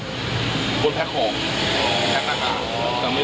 คนแพ็กของแพ็กหน้าค้า